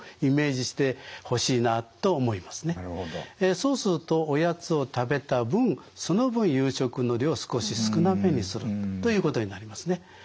そうするとおやつを食べた分その分夕食の量を少し少なめにするということになりますね。